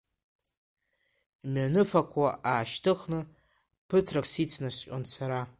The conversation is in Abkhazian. Имҩаныфақуа аашьҭыхны, ԥыҭрак сицнаскьон сара.